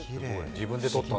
自分で撮ったの？